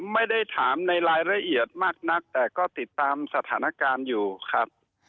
ไม่ได้ถามในรายละเอียดมากนักแต่ก็ติดตามสถานการณ์อยู่ครับ